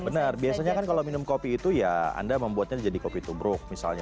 benar biasanya kan kalau minum kopi itu ya anda membuatnya jadi kopi tubruk misalnya